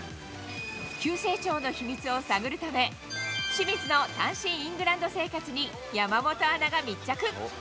急成長の秘密を探るため、清水の単身イングランド生活に山本アナが密着。